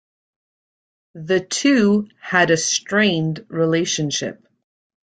The two had a strained relationship.